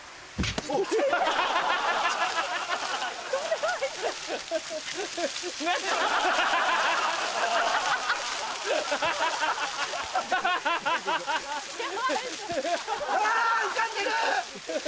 うわ浮かんでる！